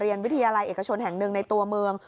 วิทยาลัยเอกชนแห่งหนึ่งในตัวเมือง